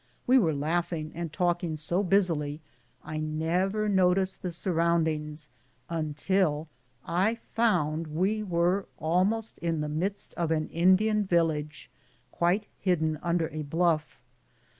We were laughing and talking so busily I never noticed the surroundings until I found we were almost in the midst of an Indian village, quite hidden under a bluff.